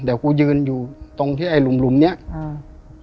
เดี๋ยวกูยืนอยู่ตรงที่ไอ้หลุมหลุมเนี้ยอ่า